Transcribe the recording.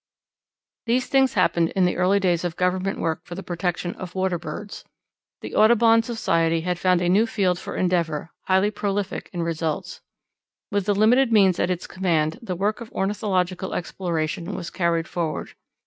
These things happened in the early days of Government work for the protection of water birds. The Audubon Society had found a new field for endeavour, highly prolific in results. With the limited means at its command the work of ornithological exploration was carried forward.